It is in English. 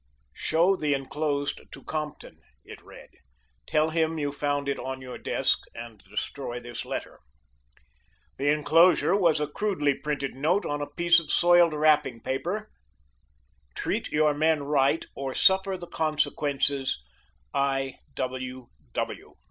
"Show the enclosed to Compton," it read. "Tell him you found it on your desk, and destroy this letter." The enclosure was a crudely printed note on a piece of soiled wrapping paper: TREAT YOUR MEN RIGHT OR SUFFER THE CONSEQUENCES I.